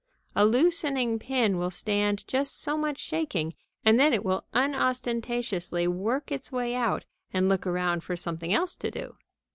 A loosened pin will stand just so much shaking, and then it will unostentatiously work its way out and look around for something else to do.